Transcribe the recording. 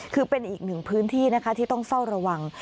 คือเป็นอีกหนึ่งพื้นที่นะคะที่ต้องเฝ้าระวัง